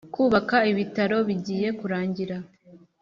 kubaka ibitaro bigiye kurangira.